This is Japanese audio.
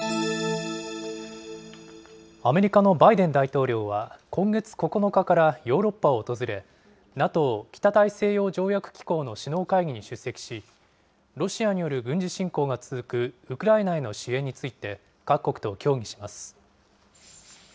アメリカのバイデン大統領は、今月９日からヨーロッパを訪れ、ＮＡＴＯ・北大西洋条約機構の首脳会議に出席し、ロシアによる軍事侵攻が続くウクライナへの支援について、各国と協議します。